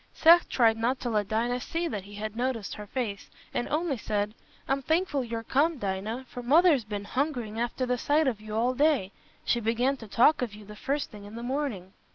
Seth tried not to let Dinah see that he had noticed her face, and only said, "I'm thankful you're come, Dinah, for Mother's been hungering after the sight of you all day. She began to talk of you the first thing in the morning."